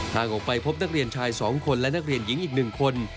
ทางออกไปพบนักเรียนชาย๒คนและนักเรียนหญิงอีก๑คน